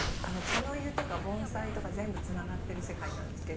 茶の湯とか盆栽とか全部つながってる世界なんですけど。